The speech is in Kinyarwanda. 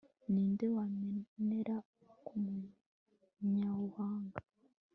ni nde wamera nk'umunyabuhanga